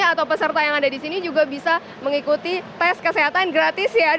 atau peserta yang ada di sini juga bisa mengikuti tes kesehatan gratis ya